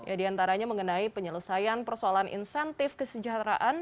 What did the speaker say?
ya diantaranya mengenai penyelesaian persoalan insentif kesejahteraan